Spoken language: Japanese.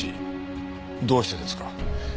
どうしてですか？